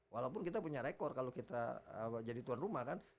walaupun kita punya rekor kalau kita jadi tuan rumah kan